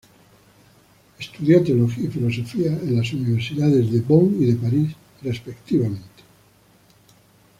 Estudió teología y filosofía en las universidades de Bonn y de París respectivamente.